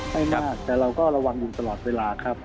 ไม่มากแต่เราก็ระวังอยู่ตลอดเวลาครับ